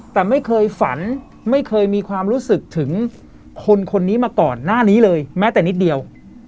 แต่ไม่เคยฝันไม่เคยมีความรู้สึกถึงคนคนนี้มาก่อนหน้านี้เลยแม้แต่นิดเดียว